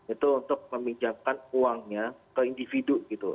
itu untuk meminjamkan uangnya ke individu gitu